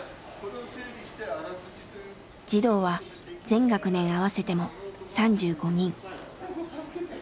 児童は全学年合わせても３５人。